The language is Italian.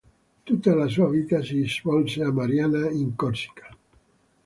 Tutta la sua vita si svolse a Mariana in Corsica.